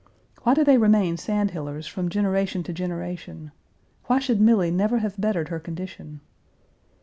Why do they remain Sandhillers from generation to generation? Why should Milly never have bettered her condition?